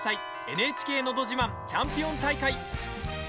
「ＮＨＫのど自慢チャンピオン大会」。